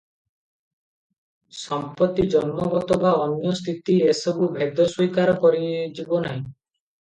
ସମ୍ପତ୍ତି, ଜନ୍ମଗତ ବା ଅନ୍ୟ ସ୍ଥିତି ଏସବୁ ଭେଦ ସ୍ୱୀକାର କରାଯିବ ନାହିଁ ।